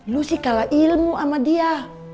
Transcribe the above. lu sih kalah ilmu sama dia